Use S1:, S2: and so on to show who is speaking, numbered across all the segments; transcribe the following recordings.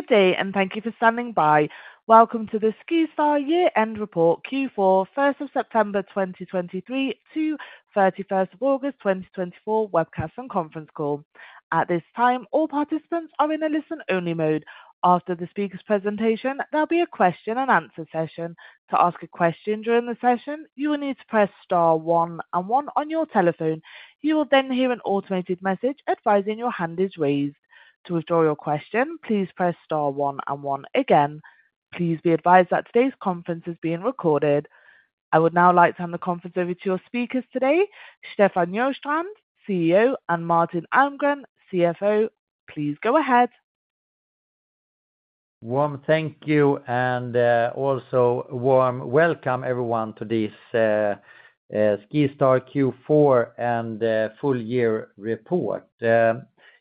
S1: Good day, and thank you for standing by. Welcome to the SkiStar Year End Report, Q4, first of September, 2023 to 31st of August,2024 webcast and conference call. At this time, all participants are in a listen-only mode. After the speaker's presentation, there'll be a question and answer session. To ask a question during the session, you will need to press star one and one on your telephone. You will then hear an automated message advising your hand is raised. To withdraw your question, please press star one and one again. Please be advised that today's conference is being recorded. I would now like to hand the conference over to your speakers today, Stefan Sjöstrand, CEO, and Martin Almgren, CFO. Please go ahead.
S2: Warm thank you, and also warm welcome everyone to this SkiStar Q4 and full year report.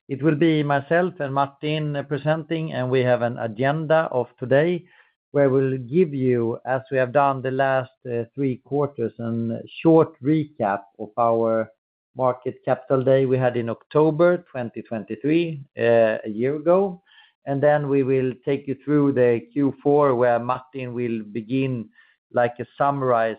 S2: It will be myself and Martin presenting, and we have an agenda of today where we'll give you, as we have done the last three quarters, a short recap of our Capital Markets Day we had in October 2023, a year ago. And then we will take you through the Q4, where Martin will begin, like, a summary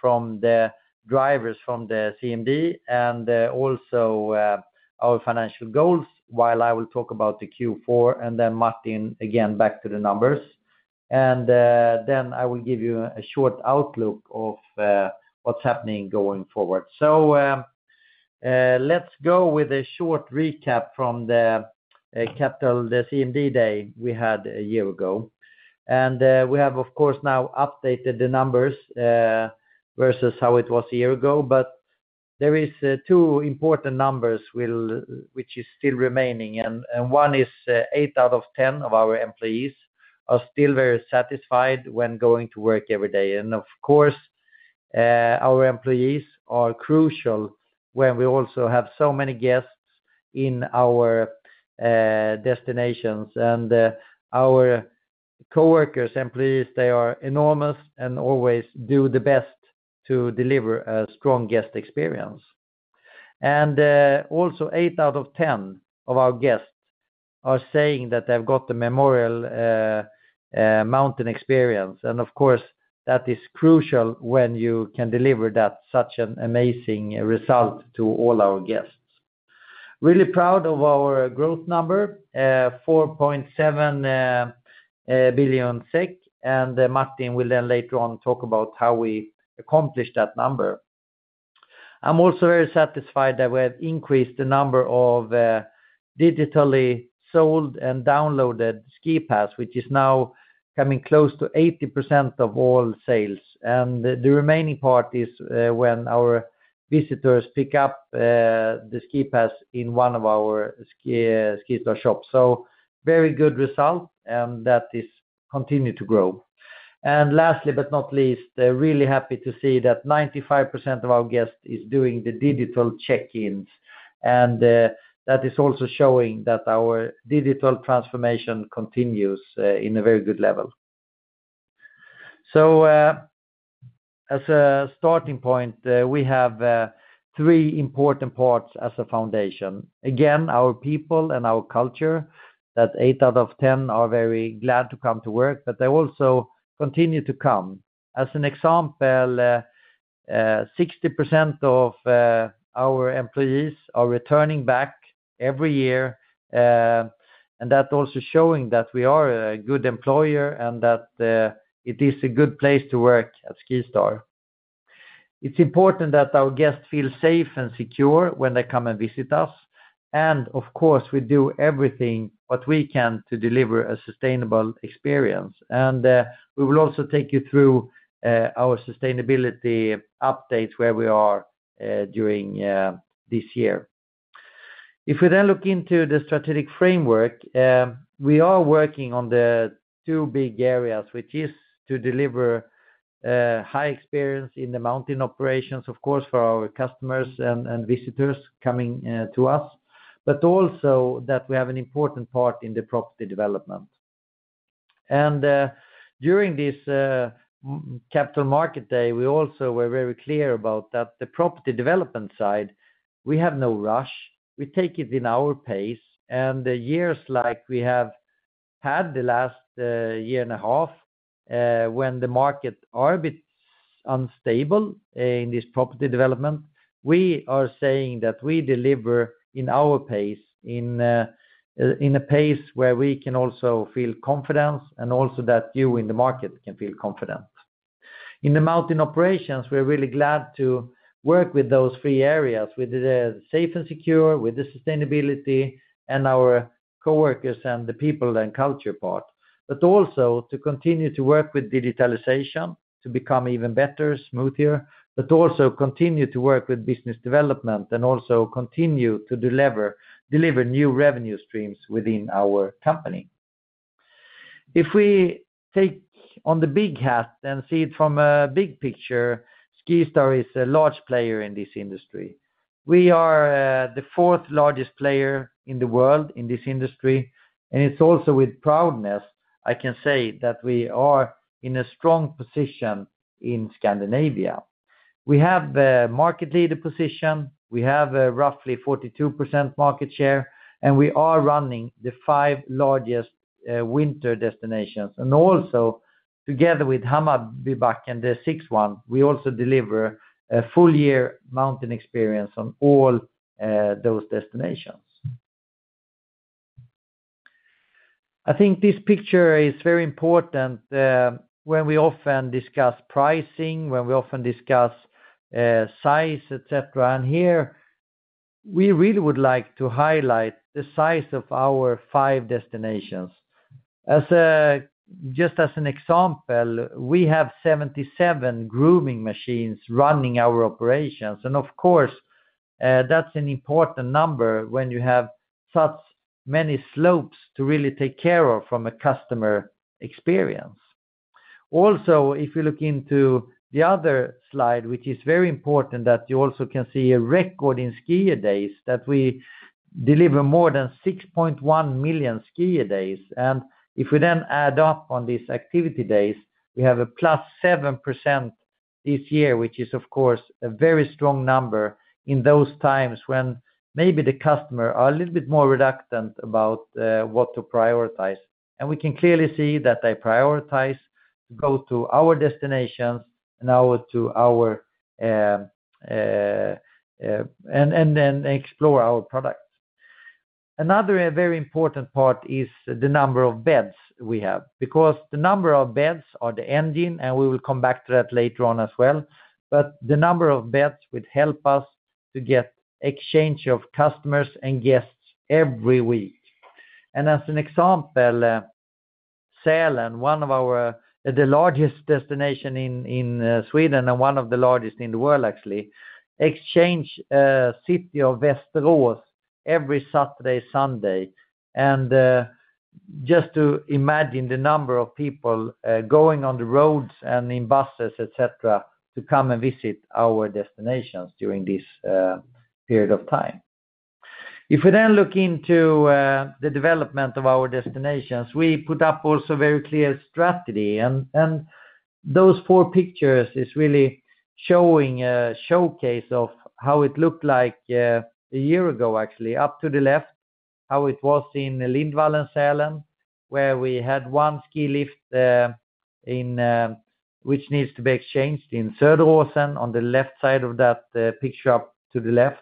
S2: from the drivers from the CMD and also our financial goals, while I will talk about the Q4, and then Martin, again, back to the numbers. And then I will give you a short outlook of what's happening going forward. So, let's go with a short recap from the Capital Markets Day we had a year ago. We have, of course, now updated the numbers versus how it was a year ago, but there is two important numbers which is still remaining, and one is eight out of ten of our employees are still very satisfied when going to work every day. Of course, our employees are crucial when we also have so many guests in our destinations. Our coworkers, employees, they are enormous and always do the best to deliver a strong guest experience. Also, eight out of ten of our guests are saying that they've got the memorable mountain experience. Of course, that is crucial when you can deliver that such an amazing result to all our guests. Really proud of our growth number, 4.7 billion SEK, and Martin will then later on talk about how we accomplished that number. I'm also very satisfied that we have increased the number of digitally sold and downloaded ski pass, which is now coming close to 80% of all sales. And the remaining part is when our visitors pick up the ski pass in one of our SkiStar shops. So very good result, and that is continue to grow. And lastly, but not least, really happy to see that 95% of our guests is doing the digital check-ins, and that is also showing that our digital transformation continues in a very good level. So, as a starting point, we have three important parts as a foundation. Again, our people and our culture, that eight out of ten are very glad to come to work, but they also continue to come. As an example, 60% of our employees are returning back every year, and that also showing that we are a good employer and that it is a good place to work at SkiStar. It's important that our guests feel safe and secure when they come and visit us, and of course, we do everything that we can to deliver a sustainable experience. And, we will also take you through our sustainability updates, where we are during this year. If we then look into the strategic framework, we are working on the two big areas, which is to deliver high experience in the mountain operations, of course, for our customers and visitors coming to us, but also that we have an important part in the property development, and during this capital market day, we also were very clear about that the property development side, we have no rush. We take it in our pace and the years like we have had the last year and a half, when the market are a bit unstable in this property development, we are saying that we deliver in our pace, in a pace where we can also feel confidence and also that you in the market can feel confident. In the mountain operations, we're really glad to work with those three areas, with the safe and secure, with the sustainability, and our coworkers and the people and culture part, but also to continue to work with digitalization, to become even better, smoother, but also continue to work with business development, and also continue to deliver new revenue streams within our company. If we take on the big hat and see it from a big picture, SkiStar is a large player in this industry. We are the fourth largest player in the world in this industry, and it's also with proudness, I can say, that we are in a strong position in Scandinavia. We have the market leader position, we have a roughly 42% market share, and we are running the five largest winter destinations. Also together with Hammarbybacken, the sixth one, we also deliver a full year mountain experience on all those destinations. I think this picture is very important when we often discuss pricing, when we often discuss size, etc. Here, we really would like to highlight the size of our five destinations. As just an example, we have 77 grooming machines running our operations, and of course, that's an important number when you have such many slopes to really take care of from a customer experience. Also, if you look into the other slide, which is very important, you also can see a record in Skier Days, that we deliver more than 6.1 million Skier Days. If we then add up on these activity days, we have a +7% this year, which is, of course, a very strong number in those times when maybe the customer are a little bit more reluctant about what to prioritize. We can clearly see that they prioritize to go to our destinations and then explore our products. Another very important part is the number of beds we have, because the number of beds are the engine, and we will come back to that later on as well. The number of beds would help us to get exchange of customers and guests every week. As an example, Sälen, one of the largest destination in Sweden, and one of the largest in the world, actually, exchanges city of Västerås every Saturday, Sunday. Just to imagine the number of people going on the roads and in buses, etc., to come and visit our destinations during this period of time. If we then look into the development of our destinations, we put up also very clear strategy. Those four pictures is really showing a showcase of how it looked like a year ago, actually. Up to the left, how it was in Lindvallen, Sälen, where we had one ski lift in which needs to be exchanged. In Söderåsen, on the left side of that picture, up to the left,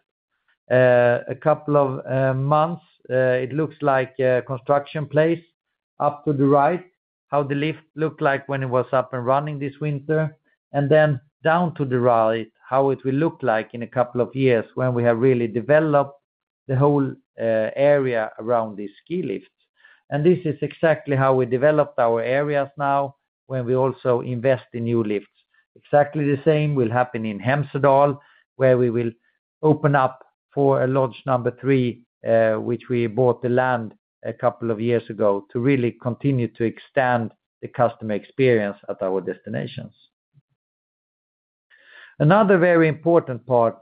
S2: a couple of months it looks like a construction place. Up to the right, how the lift looked like when it was up and running this winter. And then down to the right, how it will look like in a couple of years when we have really developed the whole, area around the ski lifts. And this is exactly how we developed our areas now, when we also invest in new lifts. Exactly the same will happen in Hemsedal, where we will open up for a lodge number three, which we bought the land a couple of years ago to really continue to extend the customer experience at our destinations. Another very important part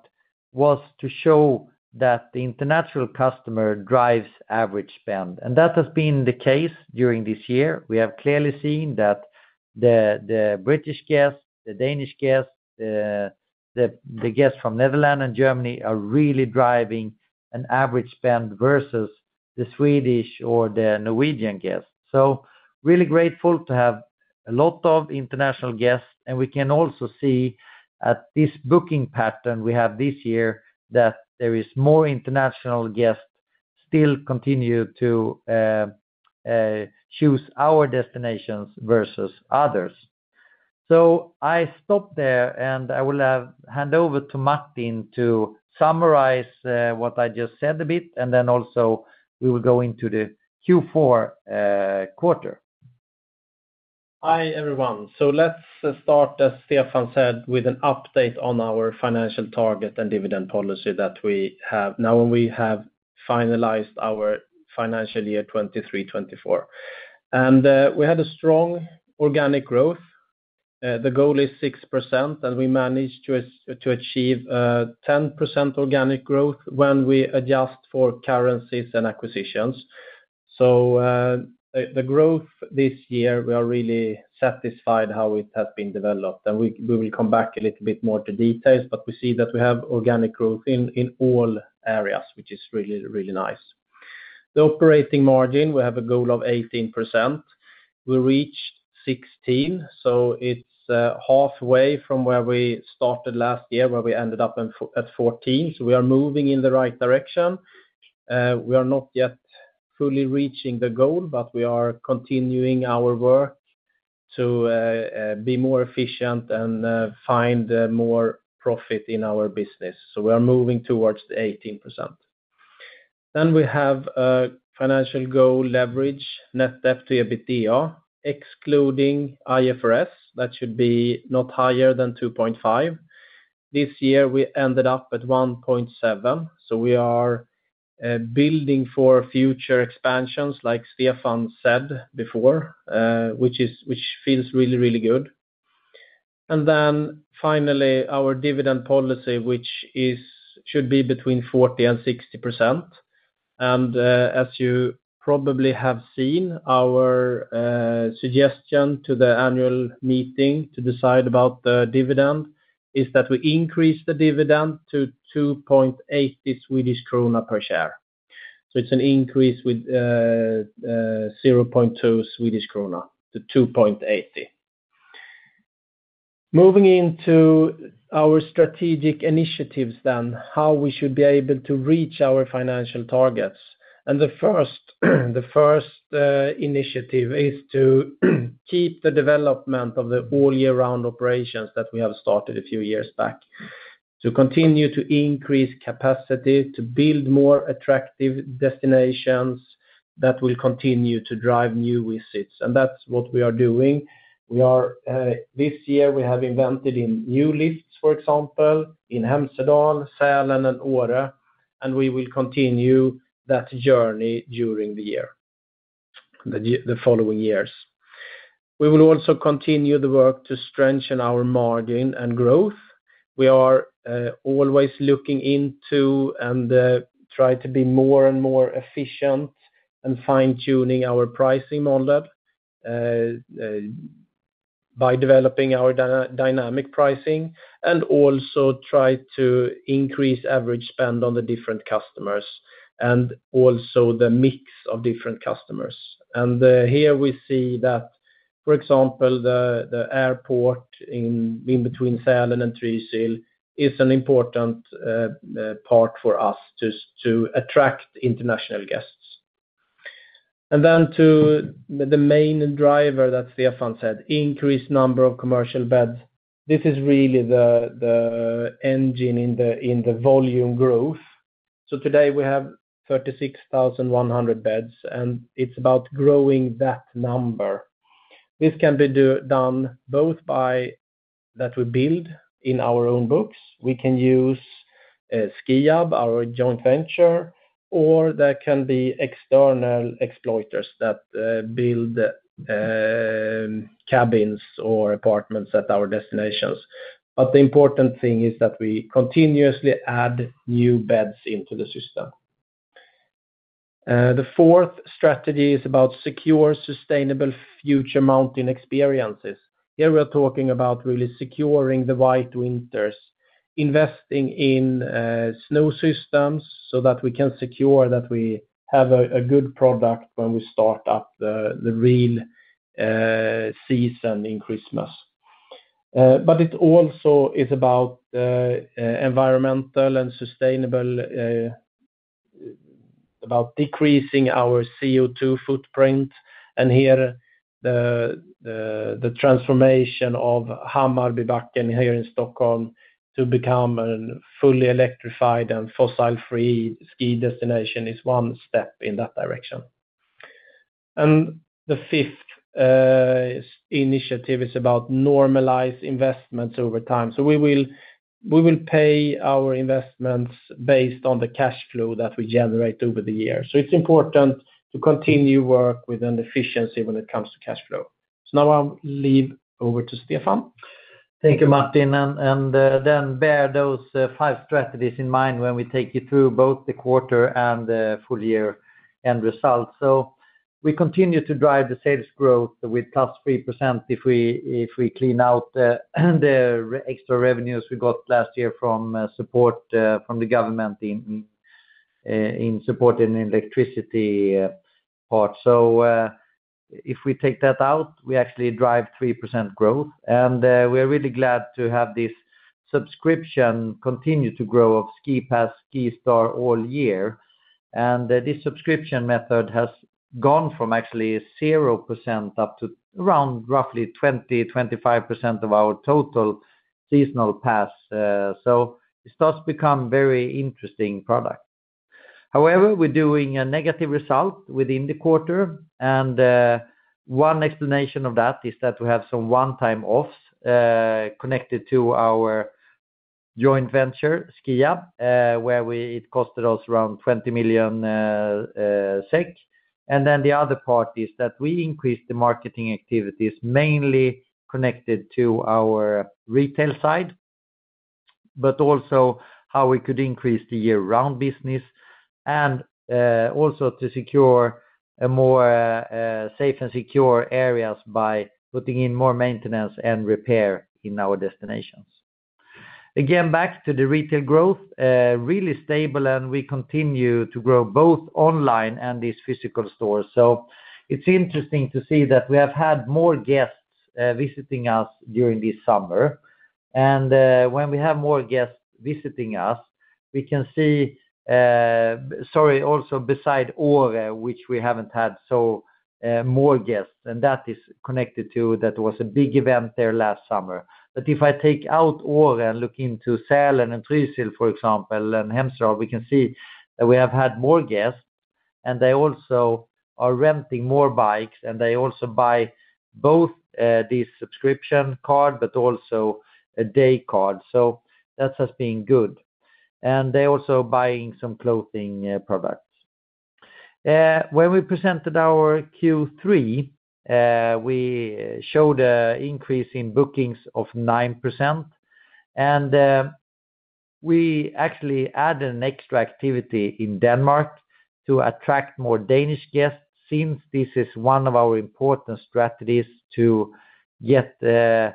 S2: was to show that the international customer drives average spend, and that has been the case during this year. We have clearly seen that the British guests, the Danish guests, the guests from Netherlands and Germany are really driving an average spend versus the Swedish or the Norwegian guests. So really grateful to have a lot of international guests, and we can also see at this booking pattern we have this year, that there is more international guests still continue to choose our destinations versus others. So I stop there, and I will hand over to Martin to summarize what I just said a bit, and then also we will go into the Q4 quarter.
S3: Hi, everyone. So let's start, as Stefan said, with an update on our financial target and dividend policy that we have. Now, we have finalized our financial year 2023-2024. And we had a strong organic growth. The goal is 6%, and we managed to achieve 10% organic growth when we adjust for currencies and acquisitions. So the growth this year, we are really satisfied how it has been developed, and we will come back a little bit more to details, but we see that we have organic growth in all areas, which is really, really nice. The operating margin, we have a goal of 18%. We reached 16, so it's halfway from where we started last year, where we ended up at 14. So we are moving in the right direction. We are not yet fully reaching the goal, but we are continuing our work to be more efficient and find more profit in our business. So we are moving towards the 18%. Then we have a financial goal leverage, net debt to EBITDA, excluding IFRS, that should be not higher than 2.5. This year, we ended up at 1.7, so we are building for future expansions, like Stefan said before, which feels really, really good. And then finally, our dividend policy, which should be between 40% and 60%. And, as you probably have seen, our suggestion to the annual meeting to decide about the dividend is that we increase the dividend to 2.80 Swedish krona per share. So it's an increase with 0.2 Swedish krona to 2.80. Moving into our strategic initiatives then, how we should be able to reach our financial targets. The first initiative is to keep the development of the all year round operations that we have started a few years back. To continue to increase capacity, to build more attractive destinations that will continue to drive new visits. And that's what we are doing. We are this year we have invested in new lifts, for example, in Hemsedal, Sälen, and Åre, and we will continue that journey during the year, the following years. We will also continue the work to strengthen our margin and growth. We are always looking into and try to be more and more efficient and fine-tuning our pricing model by developing our dynamic pricing, and also try to increase average spend on the different customers, and also the mix of different customers. Here we see that, for example, the airport in between Sälen and Trysil is an important part for us to attract international guests, and then to the main driver that Stefan said, increased number of commercial beds. This is really the engine in the volume growth. Today we have thirty-six thousand one hundred beds, and it's about growing that number. This can be done both by that we build in our own books. We can use Skiab, our joint venture, or there can be external developers that build cabins or apartments at our destinations. But the important thing is that we continuously add new beds into the system. The fourth strategy is about securing sustainable future mountain experiences. Here we are talking about really securing the white winters, investing in snow systems so that we can secure that we have a good product when we start up the real season in Christmas. But it also is about environmental and sustainability about decreasing our CO2 footprint. And here, the transformation of Hammarbybacken here in Stockholm to become a fully electrified and fossil-free ski destination is one step in that direction. And the fifth initiative is about normalized investments over time. So we will pay our investments based on the cash flow that we generate over the year. So it's important to continue work with an efficiency when it comes to cash flow. So now I'll lead over to Stefan.
S2: Thank you, Martin. Then bear those five strategies in mind when we take you through both the quarter and the full year end results. We continue to drive the sales growth with +3% if we clean out the extra revenues we got last year from support from the government in supporting the electricity part. If we take that out, we actually drive 3% growth. We are really glad to have this subscription continue to grow of Ski Pass, SkiStar All Year. This subscription method has gone from actually 0% up to around roughly 20%-25% of our total seasonal pass. This does become very interesting product. However, we're doing a negative result within the quarter, and one explanation of that is that we have some one-time offs connected to our joint venture, Skiab, where it costed us around 20 million SEK. And then the other part is that we increased the marketing activities, mainly connected to our retail side, but also how we could increase the year-round business, and also to secure a more safe and secure areas by putting in more maintenance and repair in our destinations. Again, back to the retail growth, really stable, and we continue to grow both online and these physical stores. So it's interesting to see that we have had more guests visiting us during this summer. And when we have more guests visiting us, we can see... Sorry, also beside Åre, which we haven't had so, more guests, and that is connected to that was a big event there last summer. But if I take out Åre and look into Sälen and Trysil, for example, and Hemsedal, we can see that we have had more guests, and they also are renting more bikes, and they also buy both, this subscription card, but also a day card. So that has been good. And they're also buying some clothing products. When we presented our Q3, we showed an increase in bookings of 9%. And we actually added an extra activity in Denmark to attract more Danish guests, since this is one of our important strategies to get the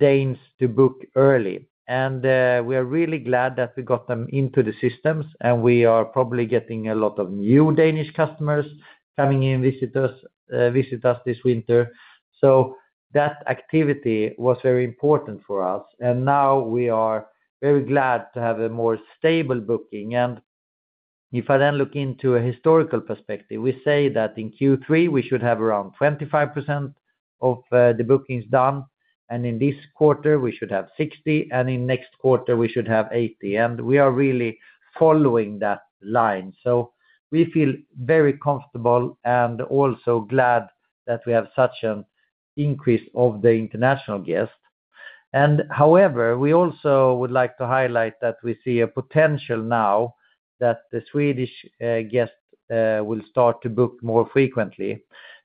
S2: Danes to book early. We are really glad that we got them into the systems, and we are probably getting a lot of new Danish customers coming in to visit us this winter. That activity was very important for us, and now we are very glad to have a more stable booking. If I then look into a historical perspective, we say that in Q3, we should have around 25% of the bookings done, and in this quarter, we should have 60%, and in next quarter, we should have 80%. We are really following that line. We feel very comfortable and also glad that we have such an increase of the international guests. However, we also would like to highlight that we see a potential now that the Swedish guests will start to book more frequently.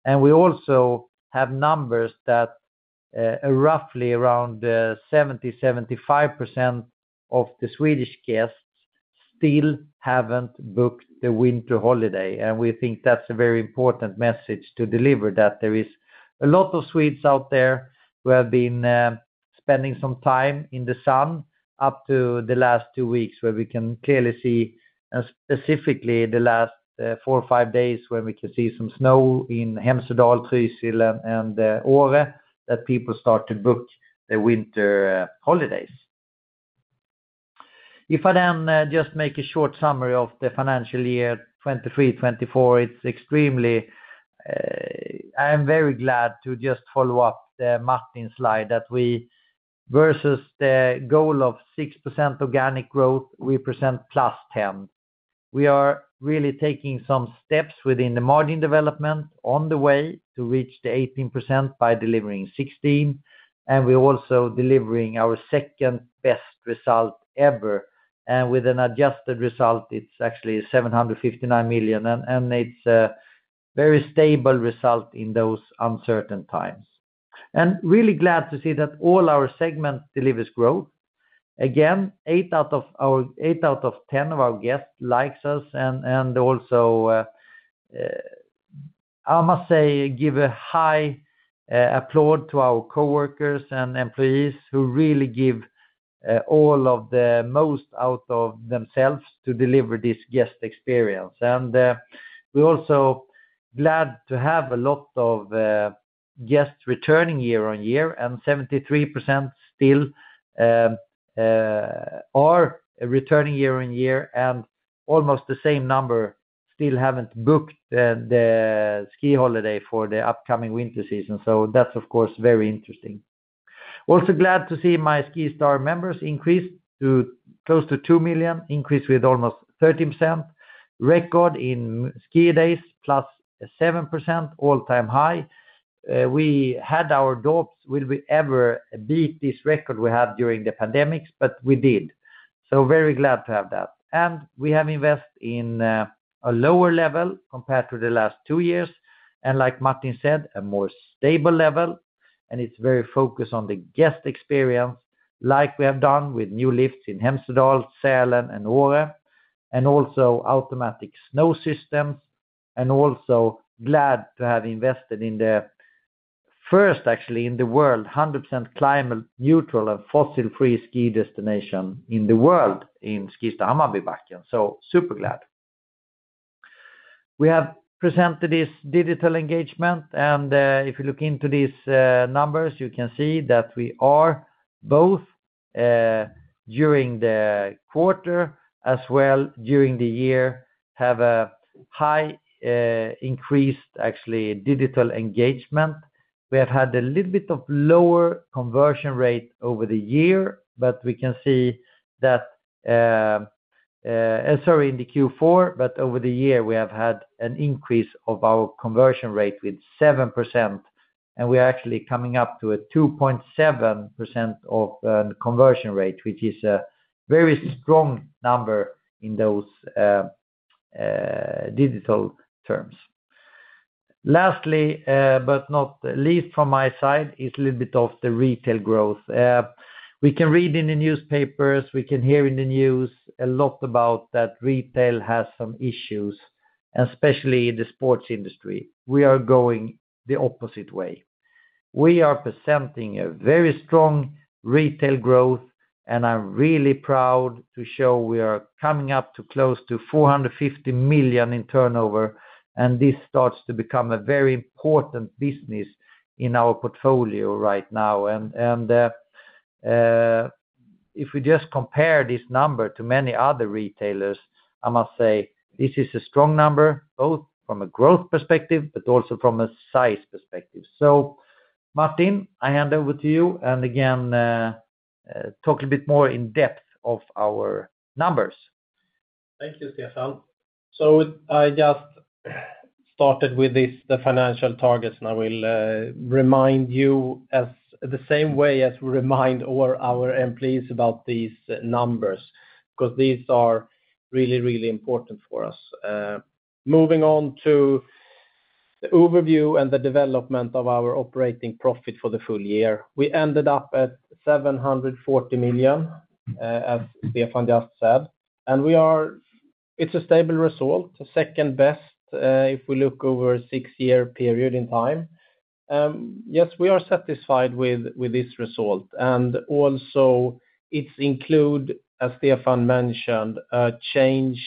S2: We also have numbers that, roughly around, 70-75% of the Swedish guests still haven't booked the winter holiday. We think that's a very important message to deliver, that there is a lot of Swedes out there who have been, spending some time in the sun up to the last two weeks, where we can clearly see, and specifically the last, four or five days, when we can see some snow in Hemsedal, Trysil, and Åre, that people start to book their winter holidays. If I then, just make a short summary of the financial year 2023-2024, it's extremely, I am very glad to just follow up the Martin slide, that we, versus the goal of 6% organic growth, we present +10%. We are really taking some steps within the margin development on the way to reach the 18% by delivering 16%, and we're also delivering our second-best result ever. With an adjusted result, it's actually 759 million, and it's a very stable result in those uncertain times. Really glad to see that all our segments delivers growth. Again, 8 out of 10 of our guests likes us, and also, I must say, give a high applaud to our coworkers and employees who really give all of the most out of themselves to deliver this guest experience. We're also glad to have a lot of guests returning year on year, and 73% still are returning year on year, and almost the same number still haven't booked the ski holiday for the upcoming winter season. That's, of course, very interesting. Also glad to see MySkiStar members increase to close to 2 million, increase with almost 13%. Record in skier days, 7%+, all-time high. We had our doubts, will we ever beat this record we had during the pandemics, but we did. Very glad to have that. And we have invested in a lower level compared to the last two years, and like Martin said, a more stable level, and it's very focused on the guest experience, like we have done with new lifts in Hemsedal, Sälen, and Åre, and also automatic snow systems, and also glad to have invested in the first, actually, in the world, 100% climate neutral and fossil-free ski destination in the world, in SkiStar Hammarbybacken, so super glad. We have presented this digital engagement, and if you look into these numbers, you can see that we are both during the quarter, as well, during the year, have a high increased, actually, digital engagement. We have had a little bit of lower conversion rate over the year, but we can see that. Sorry, in the Q4, but over the year, we have had an increase of our conversion rate with 7%, and we are actually coming up to a 2.7% of conversion rate, which is a very strong number in those digital terms. Lastly, but not least from my side, is a little bit of the retail growth. We can read in the newspapers, we can hear in the news a lot about that retail has some issues, especially in the sports industry. We are going the opposite way. We are presenting a very strong retail growth, and I'm really proud to show we are coming up to close to 450 million in turnover, and this starts to become a very important business in our portfolio right now. If we just compare this number to many other retailers, I must say this is a strong number, both from a growth perspective, but also from a size perspective. Martin, I hand over to you, and again, talk a bit more in depth of our numbers.
S3: Thank you, Stefan. I started with this, the financial targets, and I will remind you as the same way as we remind all our employees about these numbers, because these are really, really important for us. Moving on to the overview and the development of our operating profit for the full year. We ended up at 740 million, as Stefan just said, and we are. It's a stable result, the second best, if we look over a six-year period in time. Yes, we are satisfied with this result, and also it's include, as Stefan mentioned, a change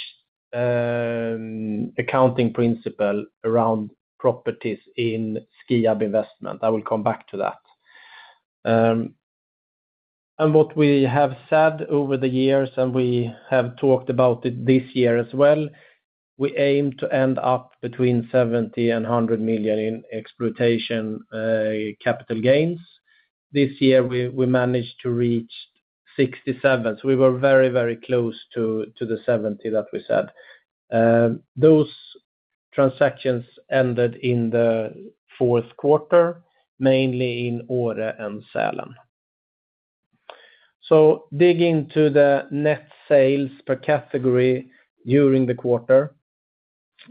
S3: accounting principle around properties in Skiab Invest. I will come back to that. And what we have said over the years, and we have talked about it this year as well, we aim to end up between 70 and 100 million in exploitation capital gains. This year we managed to reach 67. So we were very close to the 70 that we said. Those transactions ended in the Q4, mainly in Åre and Sälen. So digging to the net sales per category during the quarter,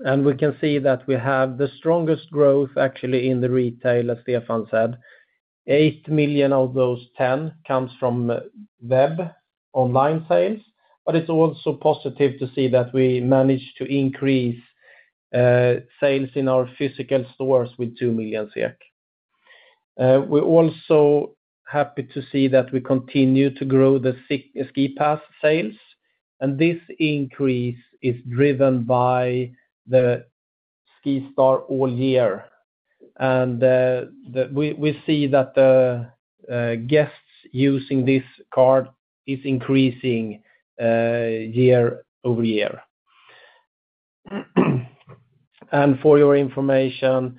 S3: and we can see that we have the strongest growth actually in the retail, as Stefan said. 8 million of those 10 comes from web, online sales, but it's also positive to see that we managed to increase sales in our physical stores with 2 million. We're also happy to see that we continue to grow the ski pass sales, and this increase is driven by the SkiStar All Year. We see that the guests using this card is increasing year over year. For your information,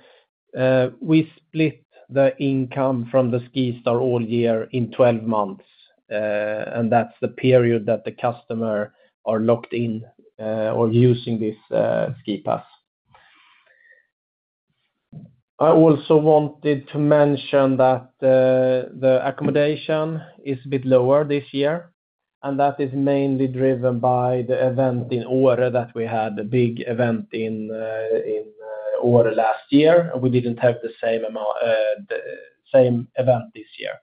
S3: we split the income from the SkiStar All Year in 12 months, and that's the period that the customer are locked in or using this ski pass. I also wanted to mention that the accommodation is a bit lower this year, and that is mainly driven by the event in Åre, that we had a big event in Åre last year, and we didn't have the same event this year.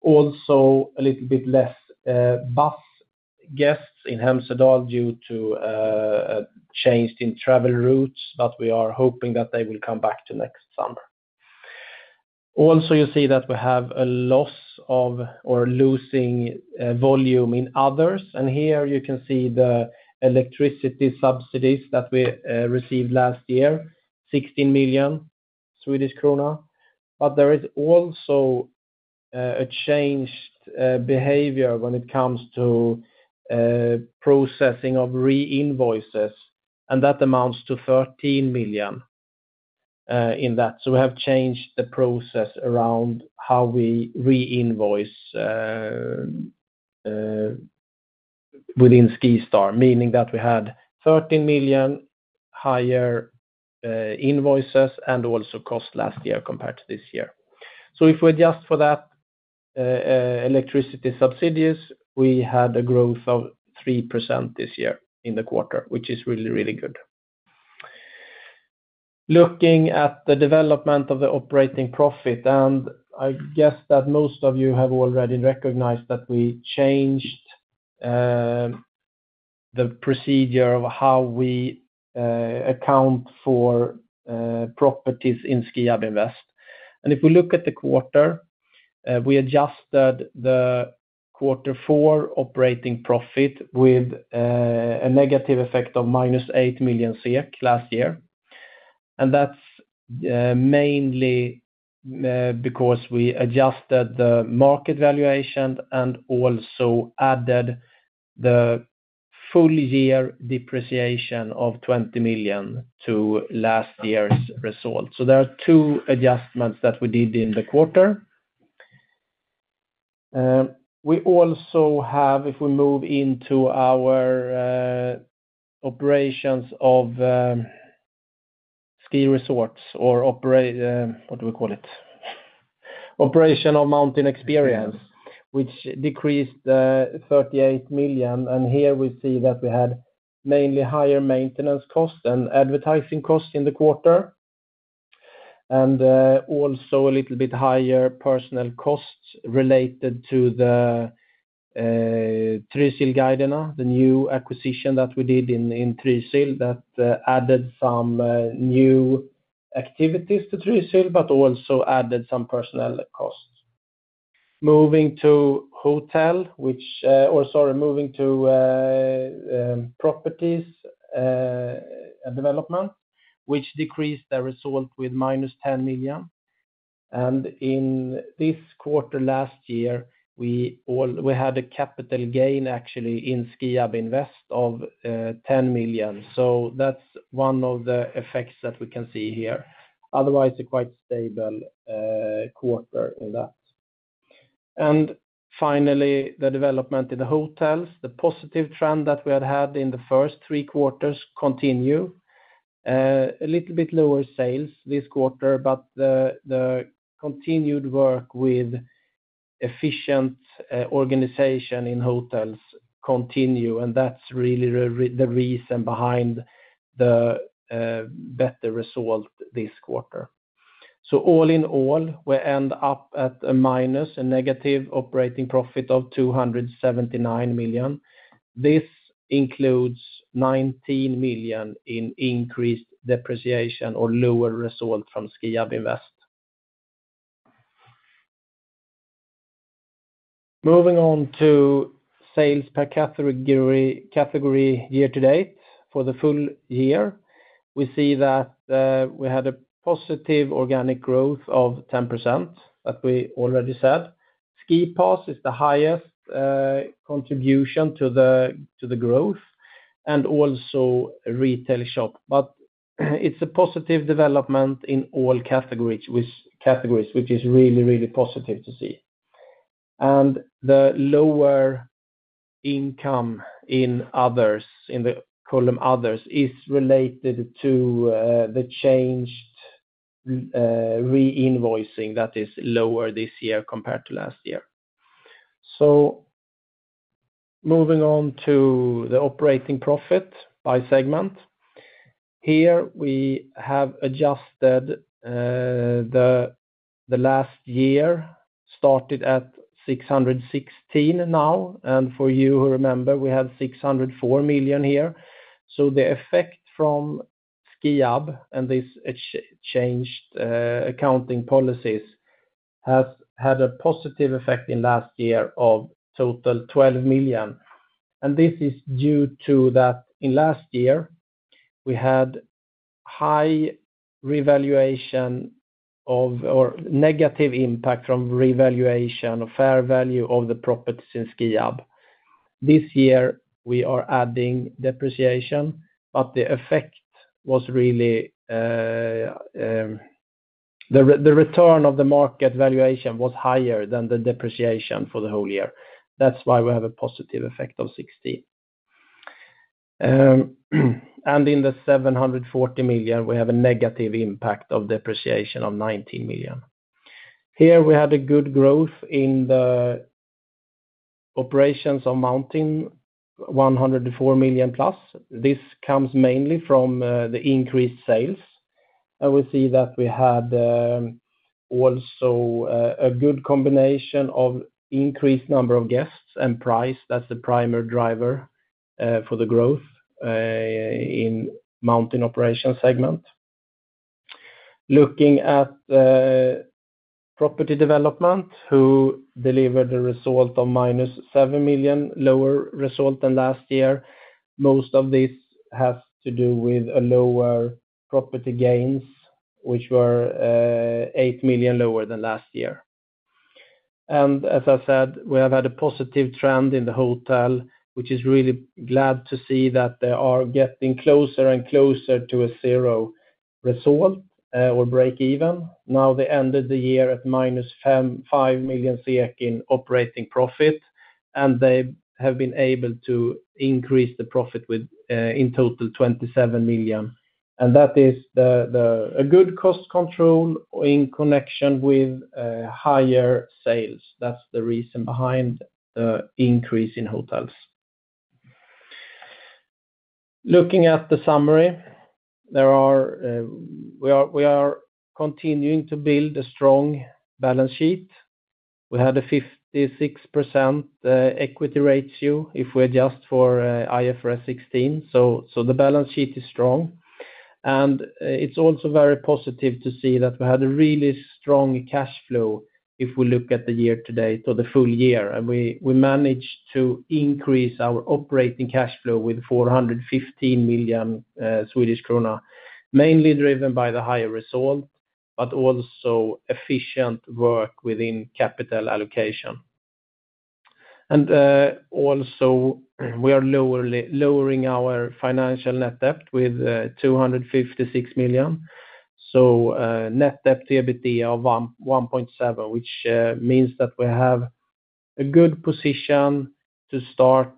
S3: Also, a little bit less bus guests in Hemsedal due to a change in travel routes, but we are hoping that they will come back to next summer. Also, you see that we have a loss of volume in others, and here you can see the electricity subsidies that we received last year, 16 million Swedish krona. But there is also a changed behavior when it comes to processing of reinvoices, and that amounts to 13 million in that. So we have changed the process around how we reinvoice within SkiStar, meaning that we had 13 million higher invoices and also cost last year compared to this year. So if we adjust for that electricity subsidies, we had a growth of 3% this year in the quarter, which is really, really good. Looking at the development of the operating profit, and I guess that most of you have already recognized that we changed the procedure of how we account for properties in Skiab Invest. And if we look at the quarter, we adjusted the quarter four operating profit with a negative effect of -8 million SEK last year. And that's mainly because we adjusted the market valuation and also added the full year depreciation of 20 million to last year's result. So there are two adjustments that we did in the quarter. We also have, if we move into our operations of ski resorts or operate, what do we call it? Operational mountain experience, which decreased 38 million, and here we see that we had mainly higher maintenance costs and advertising costs in the quarter, and also a little bit higher personnel costs related to the Trysilguidene, the new acquisition that we did in Trysil, that added some new activities to Trysil, but also added some personnel costs. Moving to hotel, or sorry, moving to properties development, which decreased the result with -10 million. In this quarter last year, we had a capital gain, actually, in Skiab Invest of 10 million. So that's one of the effects that we can see here. Otherwise, a quite stable quarter in that. Finally, the development in the hotels. The positive trend that we had had in the first three quarters continue. A little bit lower sales this quarter, but the continued work with efficient organization in hotels continue, and that's really the reason behind the better result this quarter. So all in all, we end up at a minus, a negative operating profit of 279 million. This includes 19 million in increased depreciation or lower result from Skiab Invest. Moving on to sales per category year-to-date for the full year, we see that we had a positive organic growth of 10%, that we already said. Ski pass is the highest contribution to the growth, and also retail shop. But it's a positive development in all categories, categories which is really positive to see. The lower income in others, in the column others, is related to the changed re-invoicing that is lower this year compared to last year. Moving on to the operating profit by segment. Here, we have adjusted the last year, started at 616 million now, and for you who remember, we had 604 million here. The effect from Skiab and this changed accounting policies has had a positive effect in last year of total 12 million. This is due to that in last year, we had high revaluation or negative impact from revaluation of fair value of the properties in Skiab. This year, we are adding depreciation, but the effect was really the return of the market valuation was higher than the depreciation for the whole year. That's why we have a positive effect of 60. And in the 740 million, we have a negative impact of depreciation of 19 million. Here, we had a good growth in the mountain operations of +104 million. This comes mainly from the increased sales. And we see that we had also a good combination of increased number of guests and price. That's the primary driver for the growth in mountain operations segment. Looking at property development, who delivered a result of minus 7 million, lower result than last year. Most of this has to do with a lower property gains, which were 8 million lower than last year. As I said, we have had a positive trend in the hotel, which is really good to see that they are getting closer and closer to a zero result, or break even. Now, they ended the year at -5 million SEK in operating profit, and they have been able to increase the profit with, in total, 27 million. And that is a good cost control in connection with higher sales. That's the reason behind the increase in hotels. Looking at the summary, we are continuing to build a strong balance sheet. We had a 56% equity ratio if we adjust for IFRS 16, so the balance sheet is strong. It's also very positive to see that we had a really strong cash flow if we look at the year to date or the full year, and we managed to increase our operating cash flow with 415 million Swedish krona, mainly driven by the higher result, but also efficient work within capital allocation. Also, we are lowering our financial net debt with 256 million. Net debt to EBITDA of 1.7, which means that we have a good position to start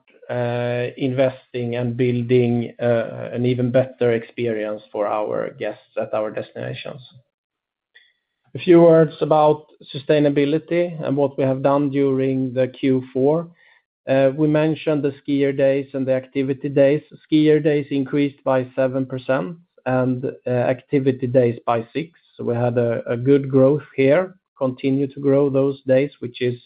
S3: investing and building an even better experience for our guests at our destinations. A few words about sustainability and what we have done during the Q4. We mentioned the skier days and the activity days. Skier days increased by 7% and activity days by 6%. We had a good growth here, continue to grow those days, which is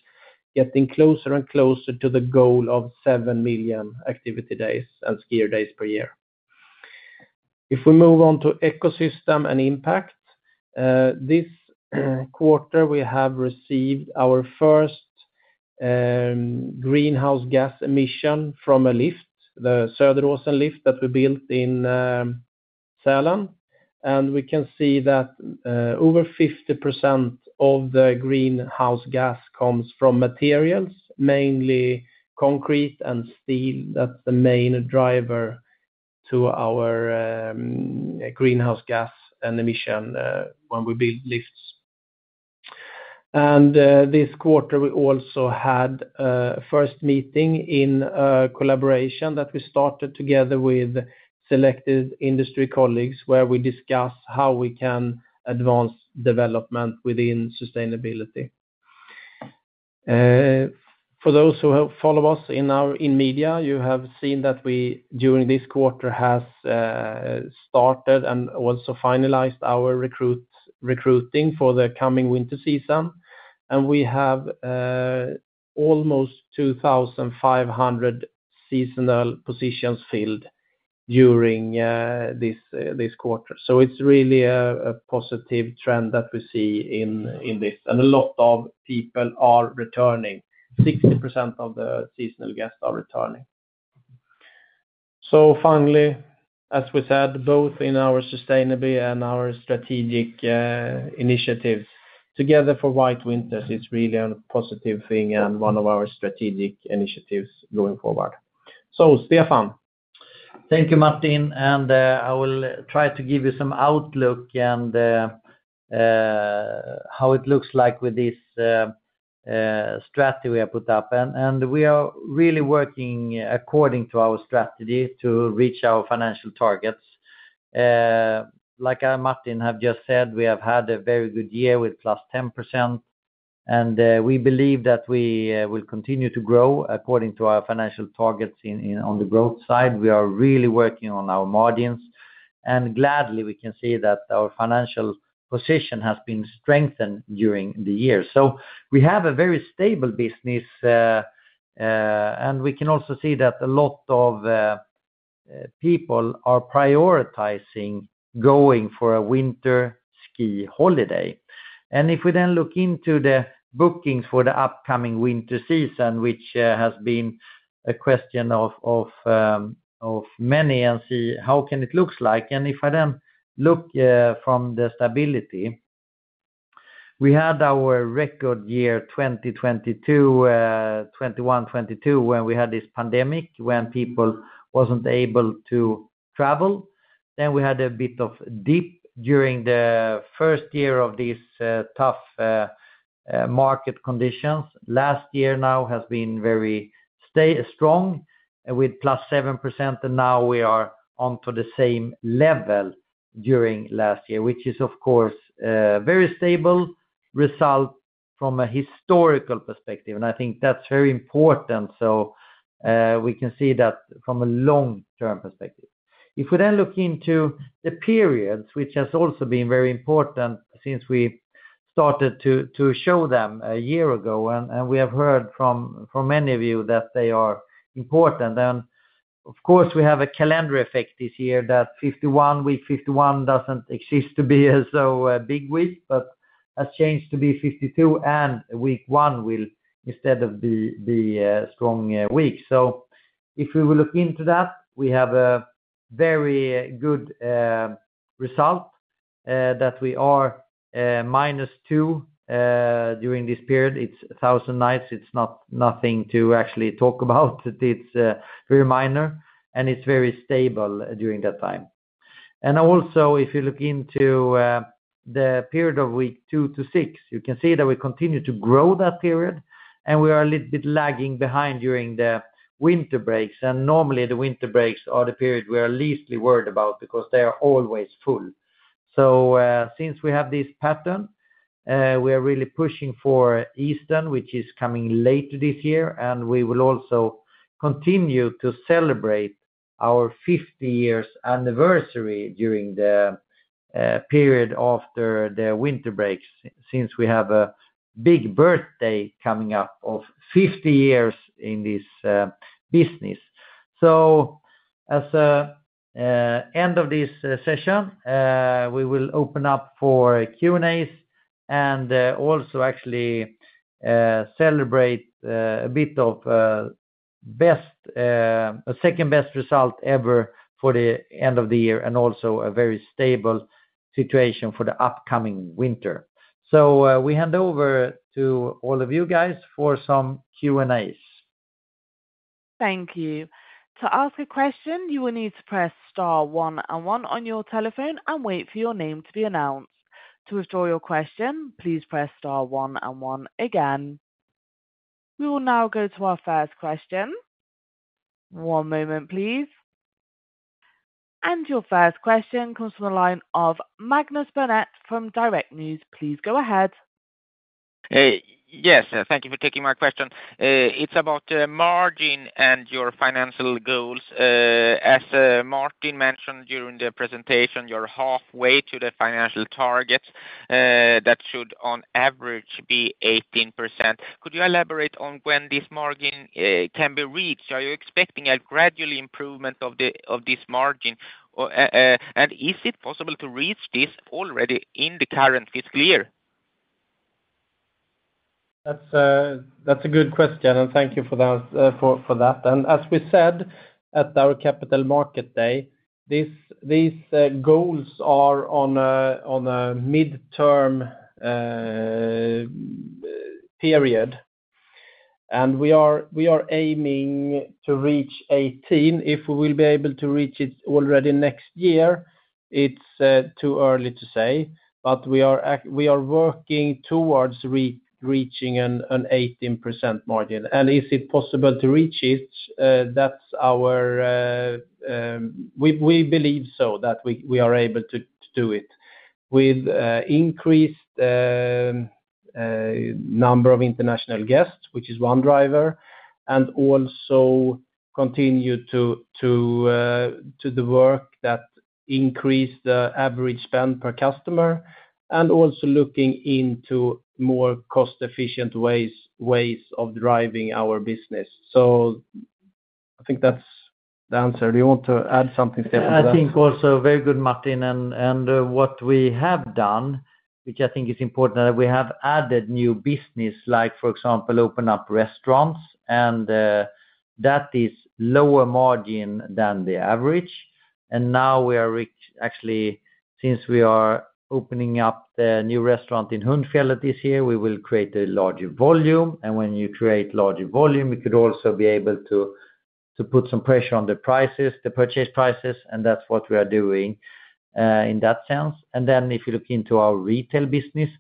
S3: getting closer and closer to the goal of 7 million activity days and skier days per year. If we move on to ecosystem and impact, this quarter, we have received our first greenhouse gas emission from a lift, the Söderåsen lift that we built in Sälen. And we can see that, over 50% of the greenhouse gas comes from materials, mainly concrete and steel. That's the main driver to our greenhouse gas and emission when we build lifts. And this quarter, we also had a first meeting in a collaboration that we started together with selected industry colleagues, where we discuss how we can advance development within sustainability. For those who have follow us in our media, you have seen that we, during this quarter, has started and also finalized our recruiting for the coming winter season. We have almost two thousand five hundred seasonal positions filled during this quarter, so it's really a positive trend that we see in this, and a lot of people are returning. 60% of the seasonal guests are returning, so finally, as we said, both in our sustainability and our strategic initiatives, together for white winters, it's really a positive thing and one of our strategic initiatives going forward. So Stefan.
S2: Thank you, Martin, and I will try to give you some outlook and how it looks like with this strategy we have put up, and we are really working according to our strategy to reach our financial targets. Like, Martin have just said, we have had a very good year with +10%, and we believe that we will continue to grow according to our financial targets on the growth side. We are really working on our margins, and gladly, we can see that our financial position has been strengthened during the year, so we have a very stable business, and we can also see that a lot of people are prioritizing going for a winter ski holiday. And if we then look into the bookings for the upcoming winter season, which has been a question of many, and see how can it looks like. And if I then look from the stability, we had our record year, 2022, 2021, 2022, when we had this pandemic, when people wasn't able to travel. Then we had a bit of dip during the first year of these tough market conditions. Last year now has been very strong, with +7%, and now we are on to the same level during last year, which is, of course, a very stable result from a historical perspective, and I think that's very important. We can see that from a long-term perspective. If we then look into the periods, which has also been very important since we started to show them a year ago, and we have heard from many of you that they are important. And of course, we have a calendar effect this year, that week 51 doesn't exist to be as a big week, but has changed to be fifty-two, and week one will instead be a strong week. So if we look into that, we have a very good result that we are minus two during this period. It's a thousand nights. It's not nothing to actually talk about. It's very minor, and it's very stable during that time. Also, if you look into the period of week two to six, you can see that we continue to grow that period, and we are a little bit lagging behind during the winter breaks. Normally, the winter breaks are the period we are leastly worried about because they are always full. So, since we have this pattern, we are really pushing for Easter, which is coming late this year, and we will also continue to celebrate our 50 years anniversary during the period after the winter breaks, since we have a big birthday coming up of 50 years in this business. So, as end of this session, we will open up for a Q&As and also actually celebrate a bit of second best result ever for the end of the year, and also a very stable situation for the upcoming winter. We hand over to all of you guys for some Q&As.
S1: Thank you. To ask a question, you will need to press star one and one on your telephone and wait for your name to be announced. To restore your question, please press star one and one again. We will now go to our first question. One moment, please. And your first question comes from the line of Magnus Bernet from Direkt News. Please go ahead.
S4: Hey. Yes, thank you for taking my question. It's about margin and your financial goals. As Martin mentioned during the presentation, you're halfway to the financial targets that should on average be 18%. Could you elaborate on when this margin can be reached? Are you expecting a gradual improvement of this margin? Or, and is it possible to reach this already in the current fiscal year?
S2: That's a good question, and thank you for that. And as we said at our Capital Markets Day, these goals are on a midterm period.
S3: We are aiming to reach 18%. If we will be able to reach it already next year, it's too early to say, but we are working towards reaching an 18% margin. Is it possible to reach it? That's our. We believe so that we are able to do it. With increased number of international guests, which is one driver, and also continue to the work that increase the average spend per customer, and also looking into more cost-efficient ways of driving our business. So I think that's the answer. Do you want to add something, Stefan, to that?
S2: I think also very good, Martin, and what we have done, which I think is important, that we have added new business, like, for example, open up restaurants, and that is lower margin than the average. And now we are actually, since we are opening up the new restaurant in Hundfjället this year, we will create a larger volume. And when you create larger volume, we could also be able to put some pressure on the prices, the purchase prices, and that's what we are doing in that sense. And then if you look into our retail business,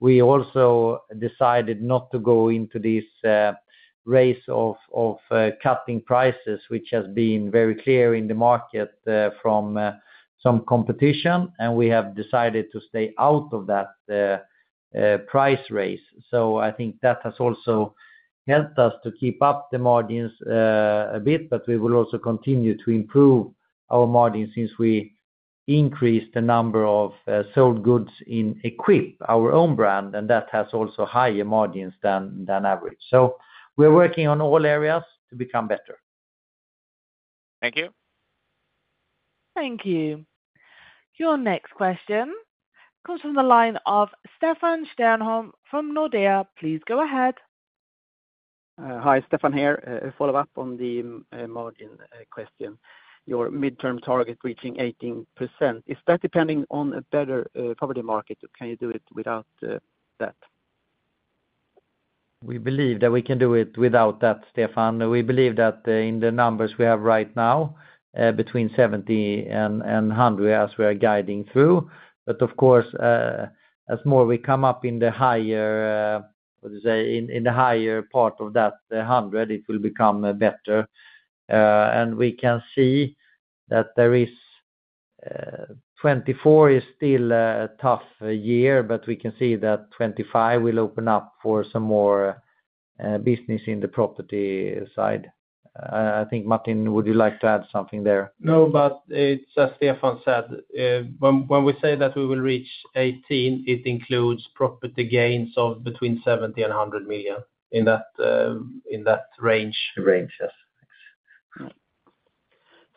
S2: we also decided not to go into this race of cutting prices, which has been very clear in the market from some competition, and we have decided to stay out of that price race. So I think that has also helped us to keep up the margins a bit, but we will also continue to improve our margins since we increased the number of sold goods in EQPE, our own brand, and that has also higher margins than average. So we're working on all areas to become better.
S4: Thank you.
S1: Thank you. Your next question comes from the line of Stefan Stjernholm from Nordea. Please go ahead.
S5: Hi, Stefan here. A follow-up on the margin question. Your midterm target reaching 18%, is that depending on a better property market, or can you do it without that?
S2: We believe that we can do it without that, Stefan. We believe that in the numbers we have right now between 70 and 100, as we are guiding through. But of course, as more we come up in the higher, what do you say? In the higher part of that 100, it will become better. And we can see that 2024 is still a tough year, but we can see that 2025 will open up for some more business in the property side. I think, Martin, would you like to add something there?
S3: No, but it's as Stefan said, when we say that we will reach 18, it includes property gains of between 70 million and 100 million in that range.
S2: Range, yes.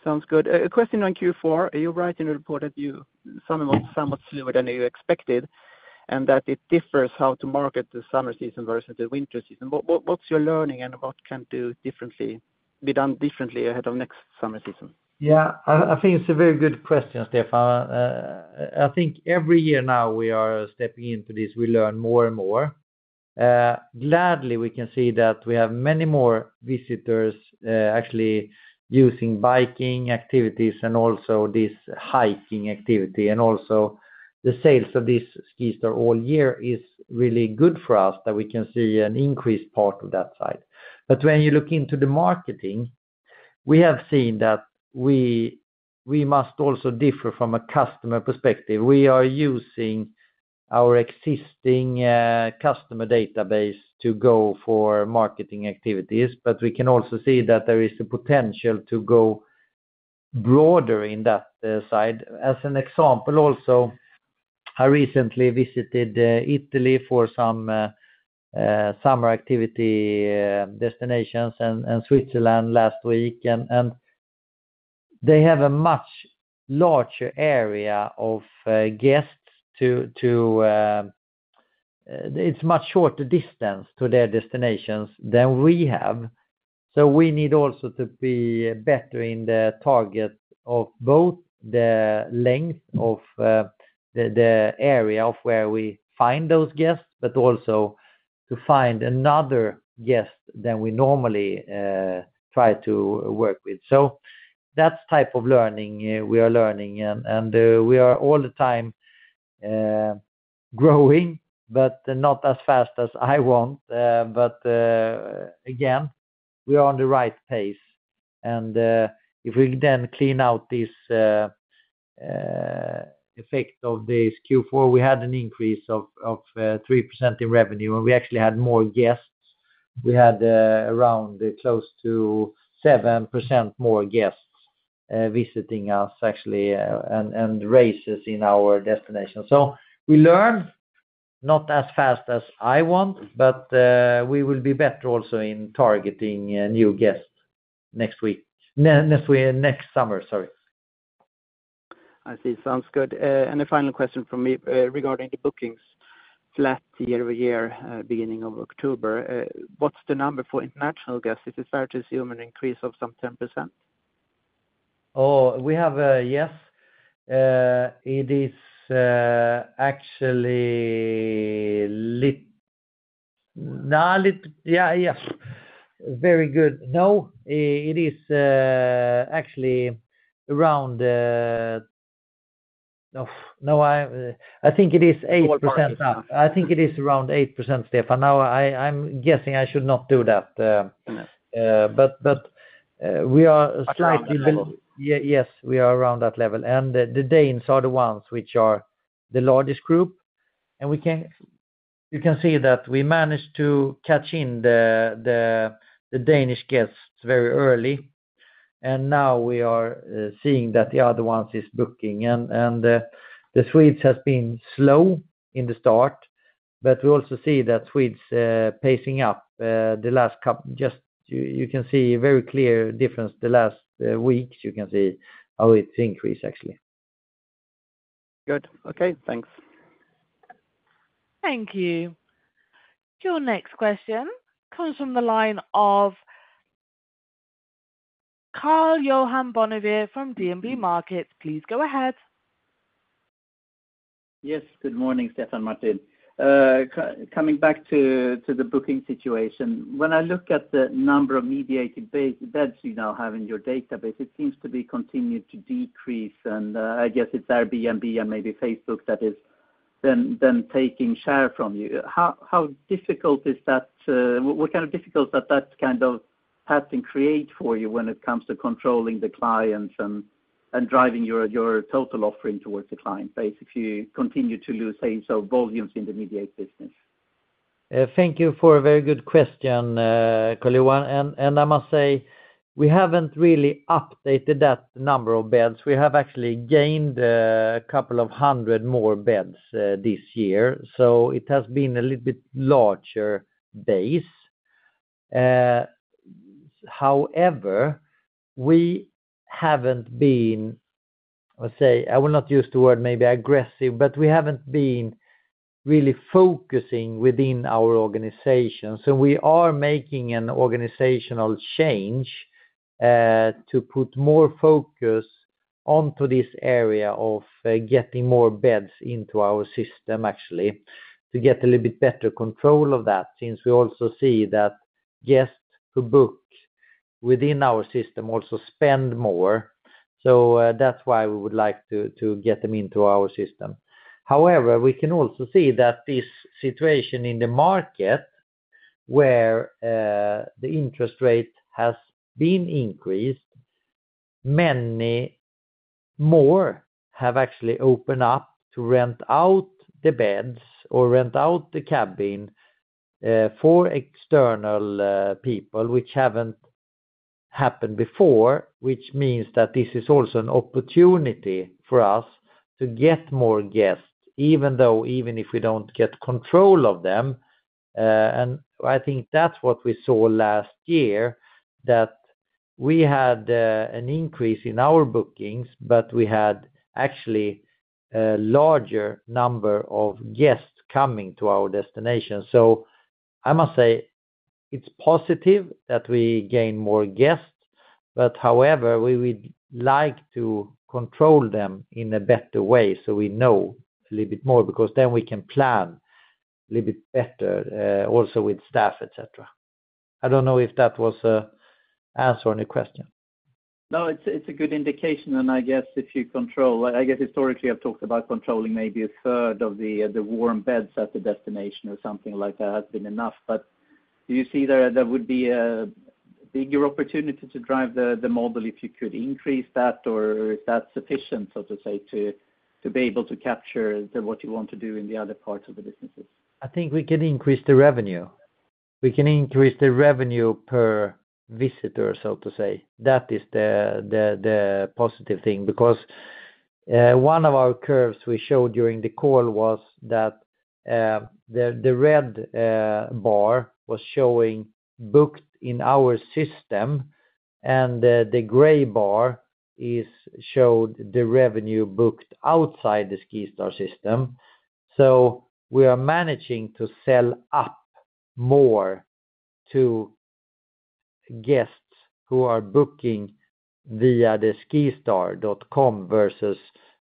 S5: Sounds good. A question on Q4. You write in a report that the summer was somewhat slower than you expected, and that it differs how to market the summer season versus the winter season. What's your learning, and what can be done differently ahead of next summer season?
S2: Yeah, I think it's a very good question, Stefan. I think every year now we are stepping into this, we learn more and more. Gladly, we can see that we have many more visitors, actually using biking activities and also this hiking activity, and also the sales of this SkiStar All Year is really good for us, that we can see an increased part of that side, but when you look into the marketing, we have seen that we must also differ from a customer perspective. We are using our existing customer database to go for marketing activities, but we can also see that there is the potential to go broader in that side. As an example, also, I recently visited Italy for some summer activity destinations and Switzerland last week, and they have a much larger area of guests to... It's much shorter distance to their destinations than we have. So we need also to be better in the target of both the length of the area of where we find those guests, but also to find another guest than we normally try to work with. So that's type of learning we are learning, and we are all the time growing, but not as fast as I want. But, again, we are on the right pace, and if we then clean out this effect of this Q4, we had an increase of 3% in revenue, and we actually had more guests. We had around close to 7% more guests visiting us, actually, and areas in our destination. So we learn, not as fast as I want, but we will be better also in targeting new guests next week, next summer, sorry.
S5: I see. Sounds good, and a final question from me, regarding the bookings flat year over year, beginning of October. What's the number for international guests? Is it fair to assume an increase of some 10%?...
S2: Oh, we have, yes. It is actually. Yeah, yes. Very good. No, it is actually around, no, no, I think it is 8%. I think it is around 8%, Stefan. Now, I'm guessing I should not do that. But we are slightly-
S5: Around that level.
S2: Yeah. Yes, we are around that level, and the Danes are the ones which are the largest group. You can see that we managed to catch the Danish guests very early, and now we are seeing that the other ones is booking. The Swedes has been slow in the start, but we also see that Swedes picking up the last couple weeks. You can see a very clear difference. The last weeks, you can see how it increased, actually.
S5: Good. Okay, thanks.
S1: Thank you. Your next question comes from the line of Karl-Johan Bonnevier from DNB Markets. Please go ahead.
S6: Yes, good morning, Stefan and Martin. Coming back to the booking situation. When I look at the number of mediated beds you now have in your database, it seems to have continued to decrease, and I guess it's Airbnb and maybe Facebook that is them taking share from you. How difficult is that, what kind of difficulty that kind of pattern create for you when it comes to controlling the clients and driving your total offering towards the client base, if you continue to lose, say, such volumes in the mediated business?
S2: Thank you for a very good question, Carl Johan. And I must say, we haven't really updated that number of beds. We have actually gained a couple of hundred more beds this year, so it has been a little bit larger base. However, we haven't been, let's say, I will not use the word maybe aggressive, but we haven't been really focusing within our organization. So we are making an organizational change to put more focus onto this area of getting more beds into our system, actually, to get a little bit better control of that, since we also see that guests who book within our system also spend more. So that's why we would like to get them into our system. However, we can also see that this situation in the market, where the interest rate has been increased, many more have actually opened up to rent out the beds or rent out the cabin for external people, which haven't happened before. Which means that this is also an opportunity for us to get more guests, even though, even if we don't get control of them. And I think that's what we saw last year, that we had an increase in our bookings, but we had actually a larger number of guests coming to our destination. So I must say, it's positive that we gain more guests, but however, we would like to control them in a better way, so we know a little bit more, because then we can plan a little bit better also with staff, etc. I don't know if that was an answer on your question.
S6: No, it's a good indication, and I guess if you control... I guess historically, I've talked about controlling maybe a 3rd of the warm beds at the destination or something like that has been enough. But do you see there would be a bigger opportunity to drive the model if you could increase that, or is that sufficient, so to say, to be able to capture what you want to do in the other parts of the businesses?
S2: I think we can increase the revenue. We can increase the revenue per visitor, so to say. That is the positive thing, because one of our curves we showed during the call was that the red bar was showing booked in our system, and the gray bar is showed the revenue booked outside the SkiStar system. So we are managing to sell up more to guests who are booking via the skistar.com versus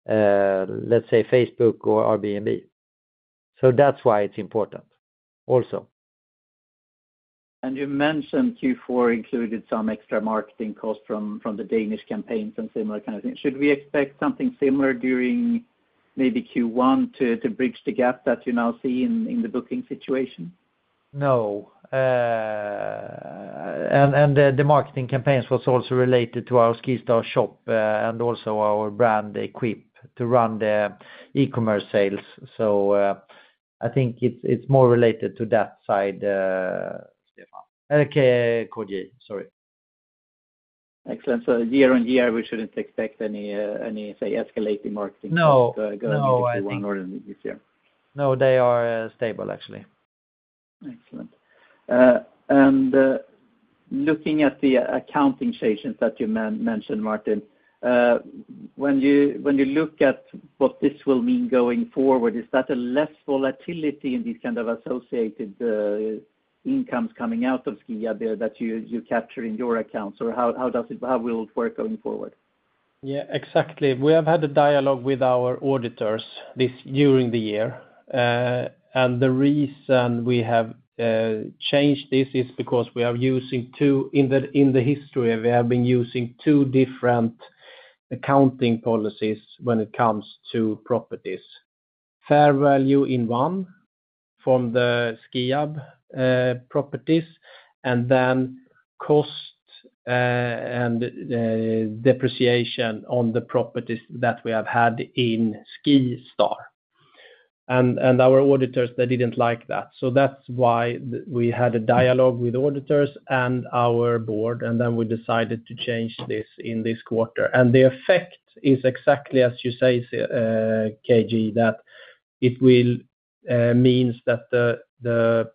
S2: let's say, Facebook or Airbnb. So that's why it's important, also.
S6: You mentioned Q4 included some extra marketing costs from the Danish campaigns and similar kind of things. Should we expect something similar during maybe Q1 to bridge the gap that you now see in the booking situation?
S2: No. And the marketing campaigns was also related to our SkiStar Shop, and also our brand, EQPE, to run the e-commerce sales. So, I think it's more related to that side, Stefan, okay, Cody, sorry.
S6: Excellent. So year on year, we shouldn't expect any, say, escalating marketing-
S2: No.
S6: going into Q1 or in this year?
S2: No, they are stable, actually.
S6: Excellent. And, looking at the accounting changes that you mentioned, Martin, when you look at what this will mean going forward, is that a less volatility in these kind of associated incomes coming out of Skiab there that you capture in your accounts? Or how does it how will it work going forward?
S3: Yeah, exactly. We have had a dialogue with our auditors this year. And the reason we have changed this is because in the history we have been using two different accounting policies when it comes to properties. Fair value for the Skiab properties, and then cost and depreciation on the properties that we have had in SkiStar. And our auditors, they didn't like that. So that's why we had a dialogue with auditors and our board, and then we decided to change this in this quarter. And the effect is exactly as you say, KG, that it means that the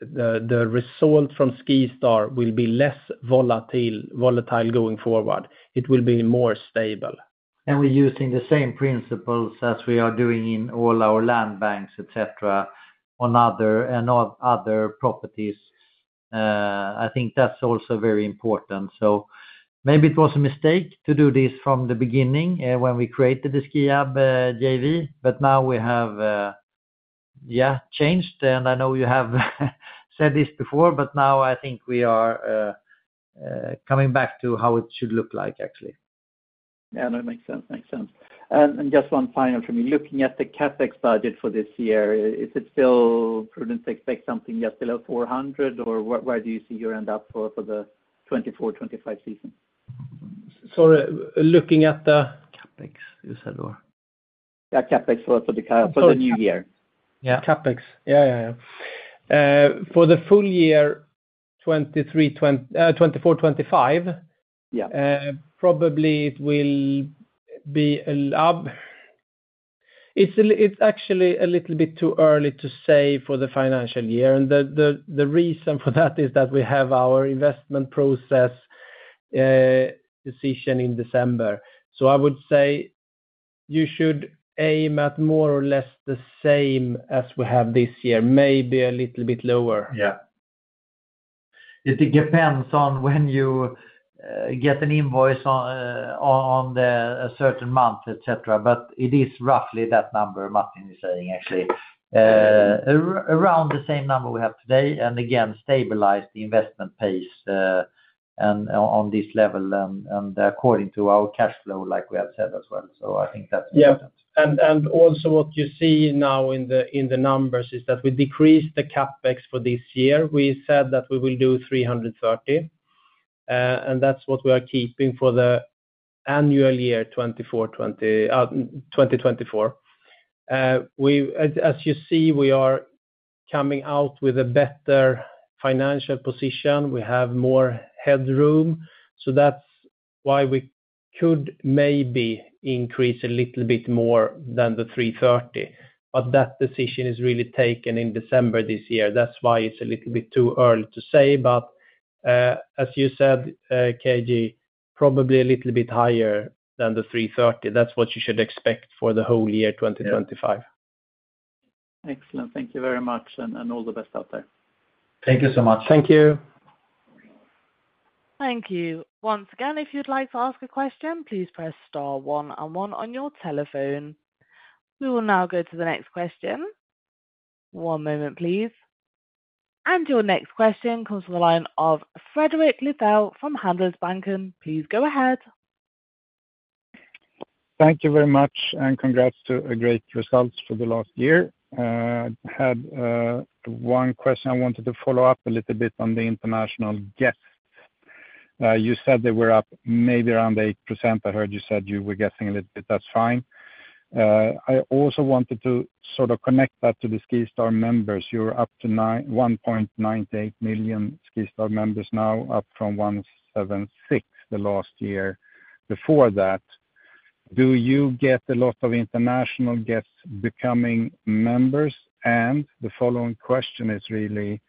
S3: result from SkiStar will be less volatile going forward. It will be more stable.
S2: We're using the same principles as we are doing in all our land banks, etc., on other and all other properties. I think that's also very important. Maybe it was a mistake to do this from the beginning, when we created the Skiab JV, but now we have, yeah, changed. I know you have said this before, but now I think we are coming back to how it should look like, actually.
S6: Yeah, no, it makes sense. Makes sense. And just one final from me. Looking at the CapEx budget for this year, is it still prudent to expect something just below 400, or where do you see it end up for the 2024-2025 season?
S3: Sorry, looking at the-
S2: CapEx, you said, or?
S6: Yeah, CapEx for the new year.
S3: Yeah, CapEx. Yeah, yeah, yeah. For the full year, 2023, 2024, 2025-
S6: Yeah...
S3: probably it will be up. It's actually a little bit too early to say for the financial year, and the reason for that is that we have our investment process decision in December. So I would say you should aim at more or less the same as we have this year, maybe a little bit lower.
S2: Yeah. It depends on when you get an invoice on a certain month, etc., but it is roughly that number Martin is saying, actually. Around the same number we have today, and again, stabilize the investment pace and on this level, and according to our cash flow, like we have said as well. So I think that's important.
S3: Yeah, and also what you see now in the numbers is that we decreased the CapEx for this year. We said that we will do three hundred thirty, and that's what we are keeping for the annual year 2024. We've, as you see, we are coming out with a better financial position. We have more headroom, so that's why we could maybe increase a little bit more than the three thirty. But that decision is really taken in December this year. That's why it's a little bit too early to say. But, as you said, KG, probably a little bit higher than the three thirty. That's what you should expect for the whole year 2025.
S6: Excellent. Thank you very much, and all the best out there.
S2: Thank you so much.
S3: Thank you.
S1: Thank you. Once again, if you'd like to ask a question, please press star one on one on your telephone. We will now go to the next question. One moment, please. And your next question comes from the line of Fredrik Lithell from Handelsbanken. Please go ahead.
S7: Thank you very much, and congrats to great results for the last year. I had one question. I wanted to follow up a little bit on the international guests. You said they were up maybe around 8%. I heard you said you were guessing a little bit. That's fine. I also wanted to sort of connect that to the SkiStar members. You're up to 1.98 million SkiStar members now, up from 1.76 the last year before that. Do you get a lot of international guests becoming members? And the following question is really,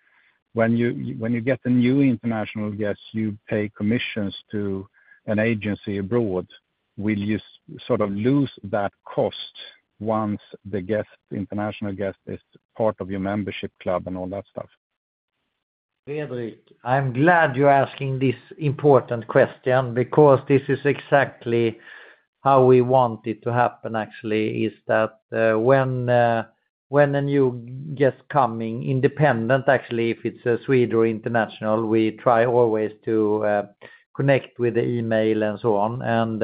S7: when you get the new international guests, you pay commissions to an agency abroad, will you sort of lose that cost once the guest, the international guest, is part of your membership club and all that stuff?
S2: Fredrik, I'm glad you're asking this important question because this is exactly how we want it to happen actually, is that, when a new guest coming independent, actually, if it's a Swede or international, we try always to connect with the email and so on. And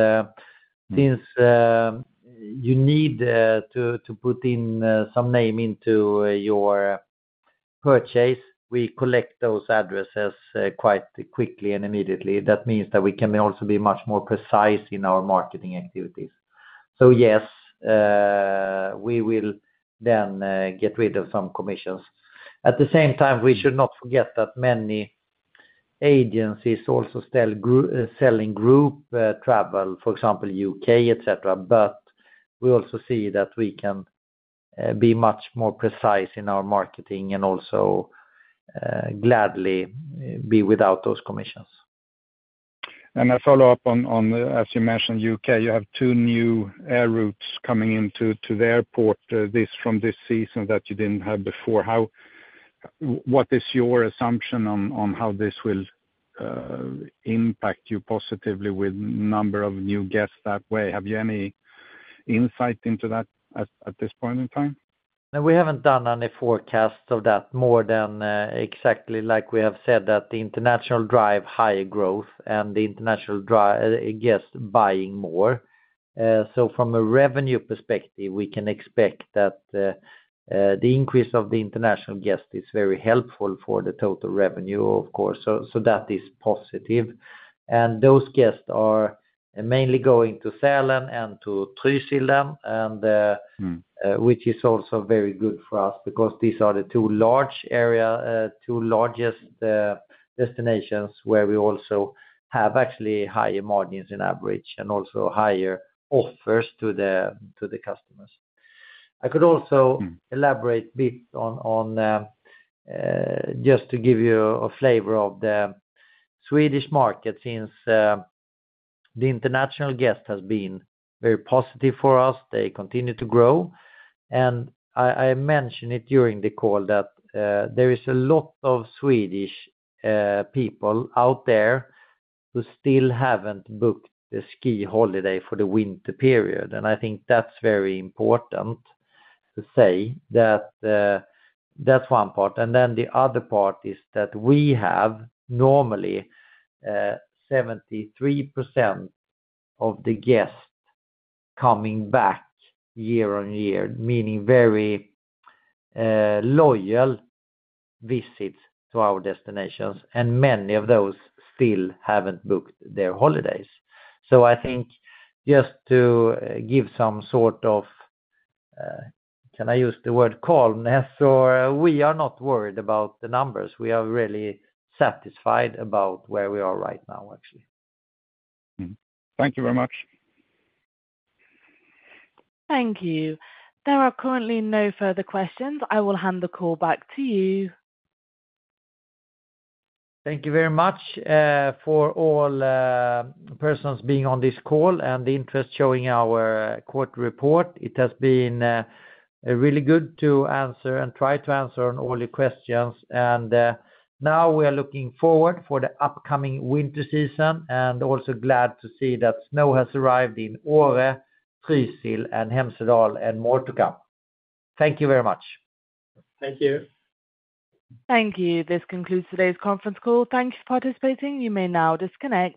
S2: since you need to put in some name into your purchase, we collect those addresses quite quickly and immediately. That means that we can also be much more precise in our marketing activities. So yes, we will then get rid of some commissions. At the same time, we should not forget that many agencies also sell selling group travel, for example, UK, etc. But we also see that we can be much more precise in our marketing and also gladly be without those commissions.
S7: A follow-up on, as you mentioned, U.K., you have two new air routes coming into the airport from this season that you didn't have before. What is your assumption on how this will impact you positively with number of new guests that way? Have you any insight into that at this point in time?
S2: No, we haven't done any forecast of that, more than exactly like we have said, that the international drive higher growth and the international guests buying more. So from a revenue perspective, we can expect that the increase of the international guest is very helpful for the total revenue, of course, so that is positive. And those guests are mainly going to Sälen and to Trysil, and Which is also very good for us because these are the two largest destinations, where we also have actually higher margins in average and also higher offers to the customers. I could also. Elaborate a bit on just to give you a flavor of the Swedish market. Since the international guest has been very positive for us, they continue to grow. And I mentioned it during the call that there is a lot of Swedish people out there who still haven't booked a ski holiday for the winter period. And I think that's very important to say that that's one part. And then the other part is that we have normally 73% of the guests coming back year on year, meaning very loyal visits to our destinations, and many of those still haven't booked their holidays. So I think just to give some sort of can I use the word calmness, or we are not worried about the numbers. We are really satisfied about where we are right now, actually.
S7: Thank you very much.
S1: Thank you. There are currently no further questions. I will hand the call back to you.
S2: Thank you very much for all persons being on this call and the interest showing our quarter report. It has been really good to answer and try to answer on all your questions. And now we are looking forward for the upcoming winter season and also glad to see that snow has arrived in Åre, Trysil, and Hemsedal, and more to come. Thank you very much.
S7: Thank you.
S1: Thank you. This concludes today's conference call. Thank you for participating. You may now disconnect.